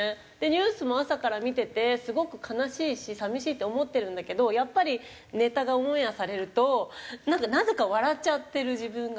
ニュースも朝から見ててすごく悲しいし寂しいって思ってるんだけどやっぱりネタがオンエアされるとなんかなぜか笑っちゃってる自分がいて。